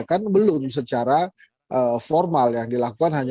kan belum secara formal yang dilakukan hanya